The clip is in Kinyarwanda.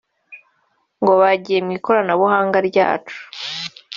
ngo bagiye mu ikoranabuhanga ryacu